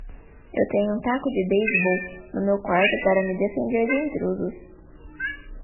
Eu tenho um taco de beisebol no meu quarto para me defender de intrusos.